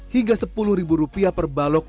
hingga sepuluh ribu rupiah per balok